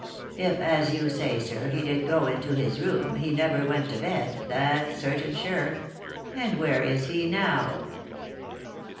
If, as you say, sir, he did go into his room, he never went to bed, that's certain sure. And where is he now